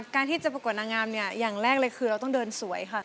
การที่จะประกวดนางงามเนี่ยอย่างแรกเลยคือเราต้องเดินสวยค่ะ